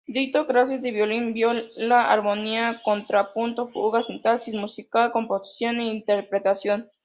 Dictó clases de violín, viola, armonía, contrapunto, fuga, sintaxis musical, composición e interpretación.